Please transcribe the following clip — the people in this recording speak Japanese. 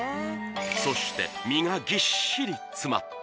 そして身がぎっしり詰まったかに爪